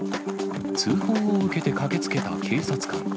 通報を受けて駆けつけた警察官。